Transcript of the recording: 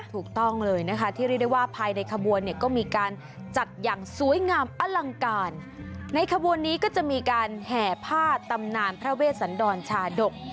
ถูกต้องเลยนะคะที่เรียกได้ว่าภายในขบวนเนี่ยก็มีการจัดอย่างสวยงามอลังการในขบวนนี้ก็จะมีการแห่ผ้าตำนานพระเวชสันดรชาดก